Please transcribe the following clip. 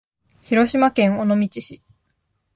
広島県尾道市